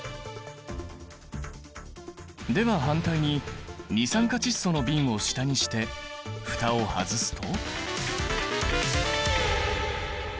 では反対に二酸化窒素の瓶を下にして蓋を外すと？